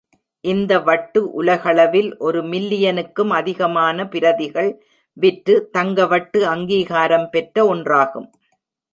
இந்த வட்டு உலகளவில் ஒரு மில்லியனுக்கும் அதிகமான பிரதிகள் விற்று தங்க வட்டு அங்கீகாரம் பெற்ற ஒன்றாகும்.